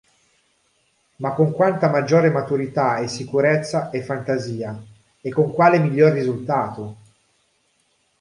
Ma con quanta maggiore maturità, e sicurezza e fantasia: e con quale miglior risultato!